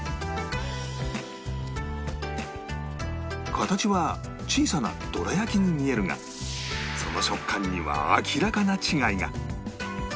形は小さなどら焼きに見えるがその食感には明らかな違いが